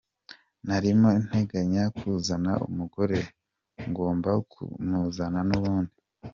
Narimo nteganya kuzana umugore, ngomba kumuzana nubundi.